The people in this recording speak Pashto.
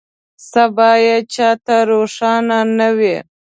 سبا یې چا ته روښانه نه وي.